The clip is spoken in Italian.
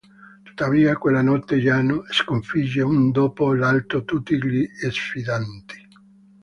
Tuttavia, quella notte, Yano sconfigge uno dopo l'altro tutti gli sfidanti.